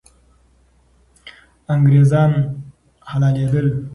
انګریزان حلالېدل.